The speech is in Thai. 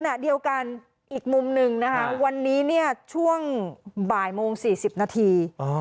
ขณะเดียวกันอีกมุมหนึ่งนะคะวันนี้เนี่ยช่วงบ่ายโมง๔๐นาที